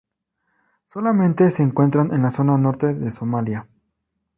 Solamente se encuentra en la zona norte de Somalia.